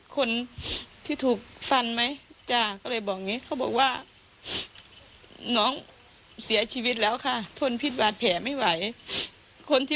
คนที่มันฆ่ามันทำได้ไง